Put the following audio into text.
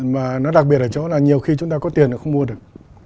mà nó đặc biệt ở chỗ là nhiều khi chúng ta có tiền nó không mua được